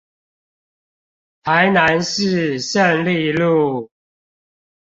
台南市勝利路